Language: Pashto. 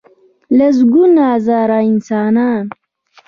لسګونه زره انسانان .